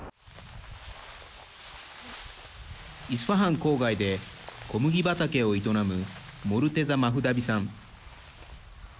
イスファハン郊外で小麦畑を営むモルテザ・マフダビさん。